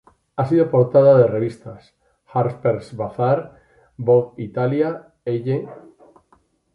Y ha sido portada de revistas: Harpers Bazaar, Vogue Italia, Elle.